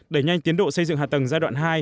đẩy nhanh tiến độ xây dựng hạ tầng giai đoạn hai